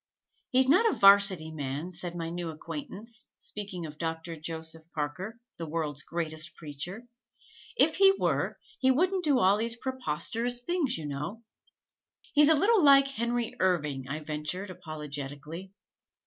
"He's not a 'Varsity man," said my new acquaintance, speaking of Doctor Joseph Parker, the world's greatest preacher. "If he were, he wouldn't do all these preposterous things, you know." "He's a little like Henry Irving," I ventured apologetically.